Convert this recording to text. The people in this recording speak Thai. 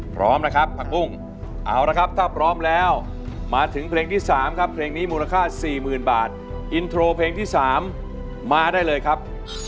พร้อมนะครับผักบุ้งเอาละครับถ้าพร้อมแล้วมาถึงเพลงที่๓ครับเพลงนี้มูลค่า๔๐๐๐บาทอินโทรเพลงที่๓มาได้เลยครับ